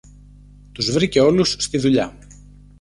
Τους βρήκε όλους στη δουλειά.